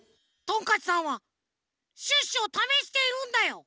トンカチさんはシュッシュをためしているんだよ。